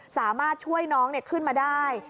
สามารถช่วยน้องขึ้นมาได้